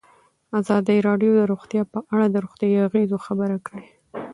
ازادي راډیو د روغتیا په اړه د روغتیایي اغېزو خبره کړې.